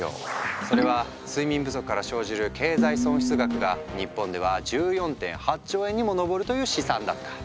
それは睡眠不足から生じる経済損失額が日本では１４．８兆円にも上るという試算だった。